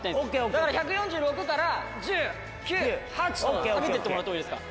だから１４６から１０９８ってかけていってもらってもいいですか？